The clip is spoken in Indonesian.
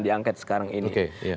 di angket sekarang ini